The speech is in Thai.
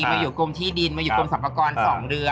มาอยู่กรมที่ดินมาอยู่กรมสรรพากร๒เรือน